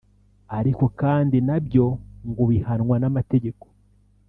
ariko kandi nabyo ngo bihanwa n’amategeko